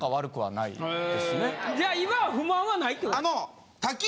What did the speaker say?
じゃあ今は不満はないって事ですか？